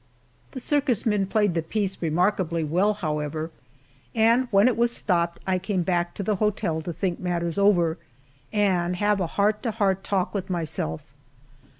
The circus men played the piece remarkably well, however, and when it was stopped I came back to the hotel to think matters over and have a heart to heart talk with myself.